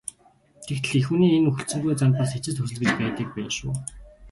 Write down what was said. Тэгтэл эх хүний энэ хүлцэнгүй занд бас эцэс төгсгөл гэж байдаг байна шүү.